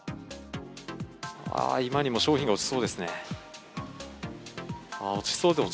ああ、今にも商品が落ちそうですね。